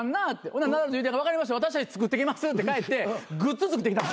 ほんなら「分かりました私たち作ってきます」って帰ってグッズ作ってきた。